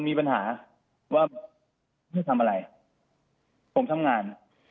ผมทำงาน